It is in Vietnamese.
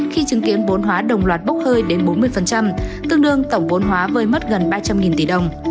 khi chứng kiến bốn hóa đồng loạt bốc hơi đến bốn mươi tương đương tổng vốn hóa vơi mất gần ba trăm linh tỷ đồng